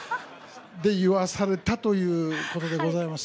で、言わされたということでございます。